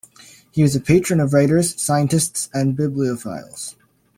He was a patron of writers, scientists and a bibliophiles.